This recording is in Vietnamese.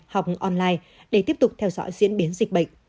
học online để tiếp tục theo dõi diễn biến dịch bệnh